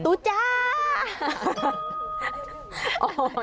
ตุ๊กจ้า